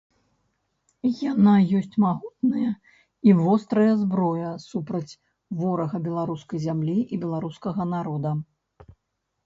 Яна ёсць магутная і вострая зброя супраць ворага беларускай зямлі і беларускага народа.